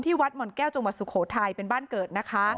ที่วัดหม่อนแก้วจงวัดสุโขทัยเป็นบ้านเกิด